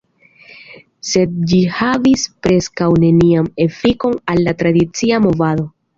Sed ĝi havis preskaŭ nenian efikon al la tradicia movado.